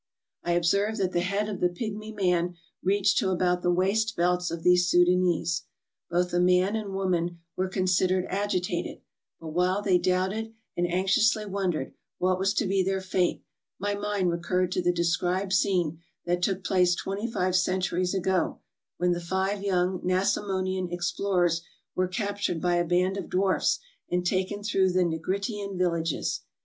I observed that the head of the pigmy man reached to about the waist belts of these Soudanese. Both the man and woman were considerably agitated, but while they doubted, and anxiously wondered, what was to be their fate, my mind recurred to the described scene that took place twenty five centuries ago when the five young Nassamonian explorers were captured by a band of dwarfs and taken through the Nigritian vil lages.